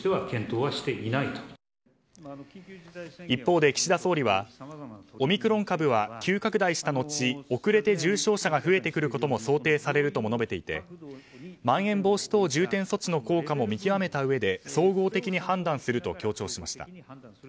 一方で岸田総理はオミクロン株は急拡大した後遅れて重症者が増えてくることも想定されるとも述べていてまん延防止等重点措置の効果も見極めたうえで総合的に判断すると強調しました。